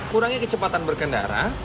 kurangi kecepatan berkendara